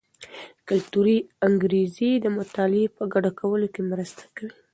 کلتوري انګیزې د مطالعې په ګډه کولو کې مرسته کوي.